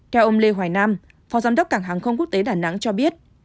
theo ông lê hoài nam phó giám đốc cảng hàng không quốc tế đà nẵng cho biết